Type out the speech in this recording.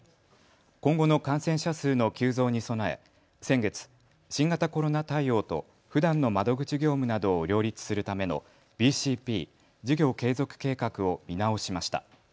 今後の感染者数の急増に備え先月、新型コロナ対応とふだんの窓口業務などを両立するためのＢＣＰ・事業継続計画を見直しました。